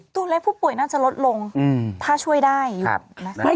ตัวเลขผู้ป่วยน่าจะลดลงถ้าช่วยได้อยู่นะคะ